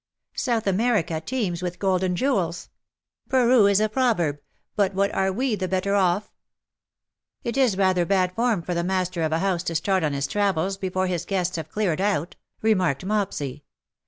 South America teems with gold and jewels; Peru is a proverb ; but what are we the better off V " It is rather bad form for the master of a house to start on his travels before his guests have cleared out/^ remarked Mopsy.